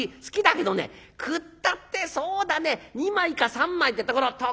好きだけどね食ったってそうだね２枚か３枚ってところ。